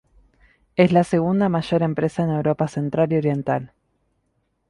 Es la segunda mayor empresa en Europa Central y Oriental.